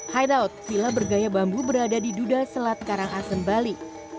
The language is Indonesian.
high out villa bergaya bambu berada di duda selat karangasem bali